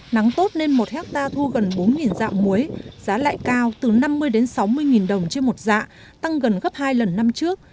nắng tốt nên một hectare thu gần bốn dạng muối giá lại cao từ năm mươi sáu mươi đồng trên một dạ tăng gần gấp hai lần năm trước